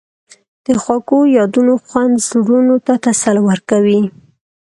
د خوږو یادونو خوند زړونو ته تسل ورکوي.